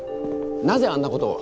なぜあんなことを？